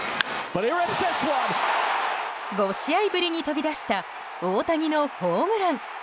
５試合ぶりに飛び出した大谷のホームラン。